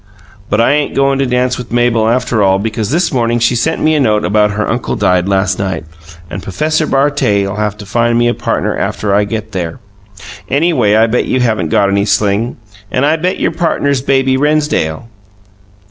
But I ain't goin' to dance with Mabel after all, because this morning she sent me a note about her uncle died last night and P'fessor Bartet'll have to find me a partner after I get there. Anyway I bet you haven't got any sling and I bet your partner's Baby Rennsdale!"